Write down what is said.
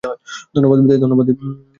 ধন্যবাদ, বিদায়।